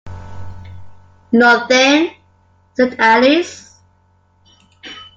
‘Nothing,’ said Alice.